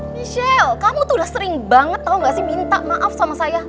michelle kamu tuh udah sering banget tau gak sih minta maaf sama saya